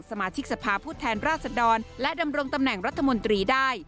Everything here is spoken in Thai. สมาชิกสภาพผู้แทนราชดรและดำรงตำแหน่งรัฐมนตรีได้